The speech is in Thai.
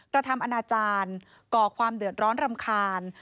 กระทำอนาจารย์ก่อความเดือดร้อนรำคาญ